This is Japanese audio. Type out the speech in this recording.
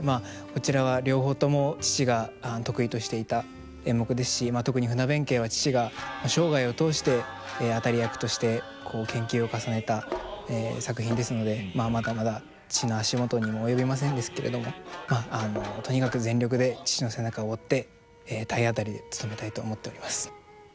こちらは両方とも父が得意としていた演目ですし特に「船弁慶」は父が生涯を通して当たり役として研究を重ねた作品ですのでまだまだ父の足元にも及びませんですけれどもとにかく全力で父の背中を追って体当たりでつとめたいと思っております。